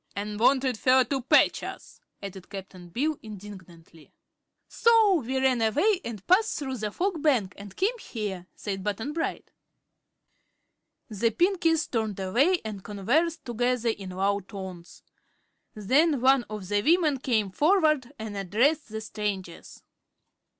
"An' wanted fer to patch us," added Cap'n Bill, indignantly. "So we ran away and passed through the Fog Bank and came here," said Button Bright. The Pinkies turned away and conversed together in low tones. Then one of the women came forward and addressed the strangers.